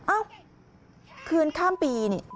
เอ้าคืนข้ามปีนี่